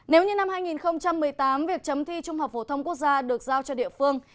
nếu như năm hai nghìn một mươi tám việc chấm thi trung học phổ thông quốc gia được giao cho địa phương